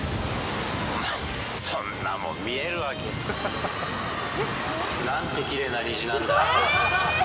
お前、そんなもん見えるわけ。なんてきれいな虹なんだ。